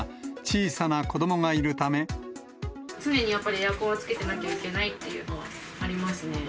常にやっぱりエアコンをつけていなければいけないというのはありますね。